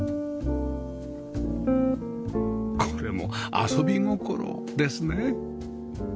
これも遊び心ですね